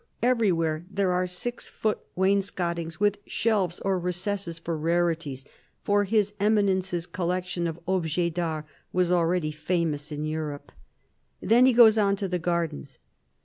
Everywhere there are six foot wainscotings with shelves or recesses for " rarities "; for His Eminence's collection of objets dart was already famous in Europe. Then he goes on to the gardens.